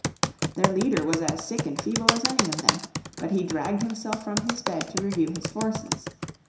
Their leader was as sick and feeble as any of them. But he dragged himself from his bed to review his forces.